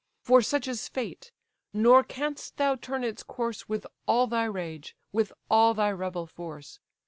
For such is fate, nor canst thou turn its course With all thy rage, with all thy rebel force.